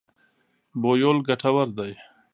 بویول ګټور دی.